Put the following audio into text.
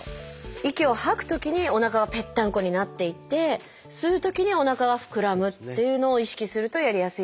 息を吐くときにおなかがぺったんこになっていって吸うときにおなかが膨らむっていうのを意識するとやりやすいですかね。